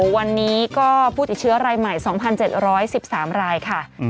วันนี้ก็ผู้ติดเชื้อรายใหม่สองพันเจ็ดร้อยสิบสามรายค่ะอืม